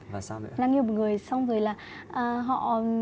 và sao nữa đang yêu một người xong rồi là họ